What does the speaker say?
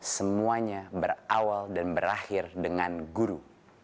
semuanya berawal dan berakhir dengan guru